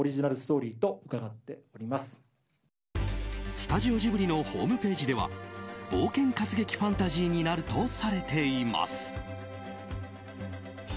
スタジオジブリのホームページでは冒険活劇ファンタジーになるとされています。